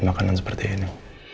makanan seperti ini